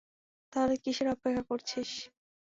তাহলে কিসের অপেক্ষা করছিস?